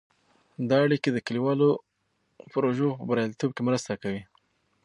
دا اړیکې د کلیوالو پروژو په بریالیتوب کې مرسته کوي.